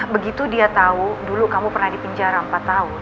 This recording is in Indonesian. begitu dia tahu dulu kamu pernah di penjara empat tahun